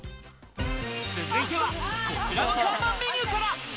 続いてはこちらの看板メニューから。